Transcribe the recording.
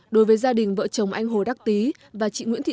đối với gia đình vợ chồng anh hồ đắc tí và chị nguyễn thị sơn